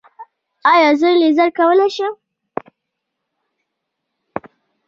ایا زه لیزر کولی شم؟